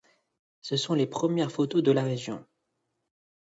Ce sont les premières photos de la région.